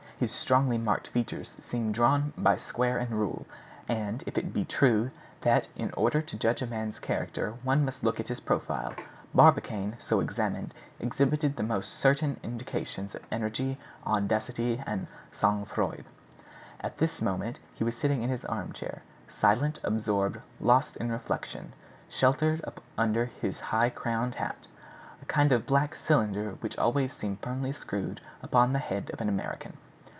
His strongly marked features seemed drawn by square and rule; and if it be true that, in order to judge a man's character one must look at his profile, Barbicane, so examined, exhibited the most certain indications of energy, audacity, and sang froid. At this moment he was sitting in his armchair, silent, absorbed, lost in reflection, sheltered under his high crowned hat—a kind of black cylinder which always seems firmly screwed upon the head of an American.